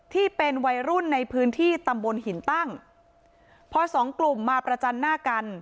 ที่เป็นวัยรุ่นในพื้นที่ตำบลหินตั้งพอสองกลุ่มมาประจันหน้ากัน